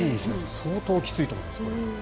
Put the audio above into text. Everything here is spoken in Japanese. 相当きついと思います。